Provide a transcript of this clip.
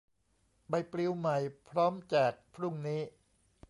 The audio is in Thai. ใบปลิวใหม่ พร้อมแจกพรุ่งนี้